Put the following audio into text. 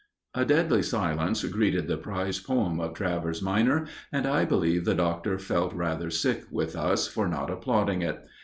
A deadly silence greeted the prize poem of Travers minor, and I believe the Doctor felt rather sick with us for not applauding it.